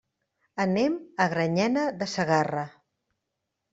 Anem a Granyena de Segarra.